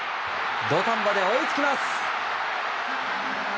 土壇場で追いつきます。